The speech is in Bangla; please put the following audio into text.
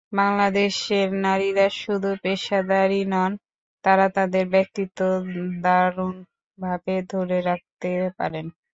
বাংলাদেশের নারীরা শুধু পেশাদারই নন, তাঁরা তাঁদের ব্যক্তিত্বও দারুণভাবে ধরে রাখতে পারেন।